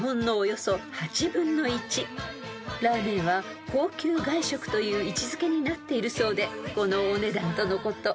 ［ラーメンは高級外食という位置付けになっているそうでこのお値段とのこと］